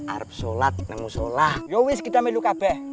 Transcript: arab sholat namus sholah yo wiskita meluka be